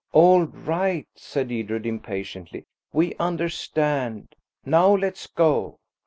"All right," said Edred impatiently, "we understand. Now let's go."